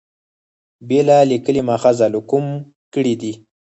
بېله لیکلي مأخذه له کومه کړي دي.